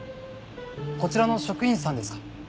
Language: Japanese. こちらの職員さんですか？